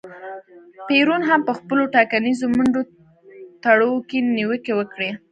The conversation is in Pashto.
پېرون هم په خپلو ټاکنیزو منډو ترړو کې نیوکې وکړې.